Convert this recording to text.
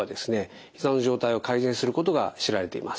ひざの状態を改善することが知られています。